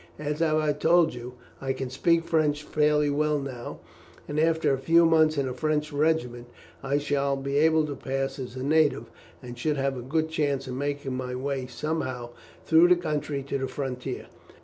As I have told you, I can speak French fairly well now, and after a few months in a French regiment I shall be able to pass as a native, and should have a good chance of making my way somehow through the country to the frontier.